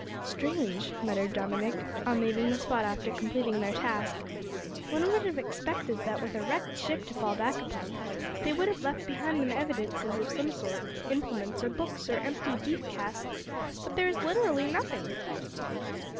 "Strange," muttered Dominick, on leaving the spot after completing their task. "One would have expected that, with a wrecked ship to fall back upon, they would have left behind them evidences of some sort implements, or books, or empty beef casks, but there is literally nothing."